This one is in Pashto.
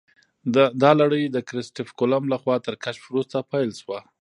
دا لړۍ د کریسټف کولمب لخوا تر کشف وروسته پیل شوه.